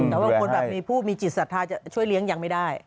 แต่ว่าคนแบบมีผู้มีจิตศรัทธาจะช่วยเลี้ยงยังไม่ได้